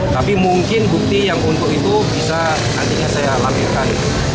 tapi mungkin bukti yang untuk itu bisa nantinya saya lampirkan